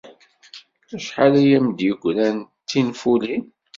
Acḥal ay am-d-yeggran d tinfulin?